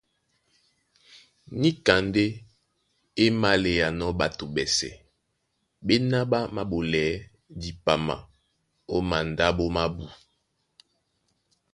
Níka ndé é máléanɔ́ ɓato ɓɛ́sɛ̄ ɓéná ɓá māɓolɛɛ́ dipama ó mandáɓo mábū;